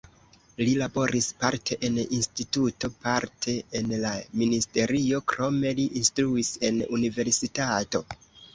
Li laboris parte en instituto, parte en la ministerio, krome li instruis en universitato.